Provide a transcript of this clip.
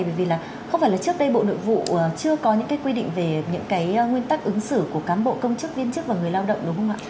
bởi vì là không phải là trước đây bộ nội vụ chưa có những cái quy định về những cái nguyên tắc ứng xử của cán bộ công chức viên chức và người lao động đúng không ạ